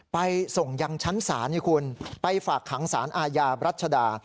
ไปส่งยังชั้นศาลให้คุณไปฝากขังสารอาญารัชดา